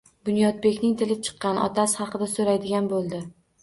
Bunyodbekning tili chiqqach, otasi haqida soʻraydigan boʻldi